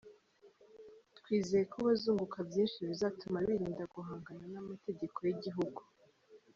Twizeye ko bazunguka byinshi bizatuma birinda guhangana n’amategeko y’igihugu.